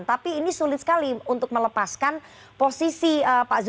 tapi ini sulit sekali untuk melepaskan posisi pak zul